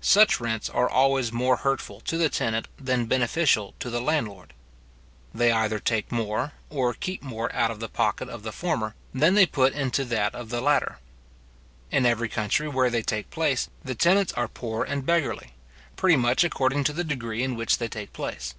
Such rents are always more hurtful to the tenant than beneficial to the landlord. They either take more, or keep more out of the pocket of the former, than they put into that of the latter. In every country where they take place, the tenants are poor and beggarly, pretty much according to the degree in which they take place.